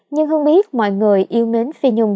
nhưng hương biết mọi người yêu nến phi nhung